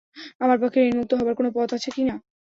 আমার পক্ষে ঋণমুক্ত হবার কোনো পথ আছে কি না।